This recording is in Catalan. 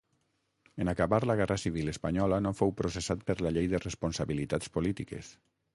En acabar la guerra civil espanyola no fou processat per la Llei de Responsabilitats Polítiques.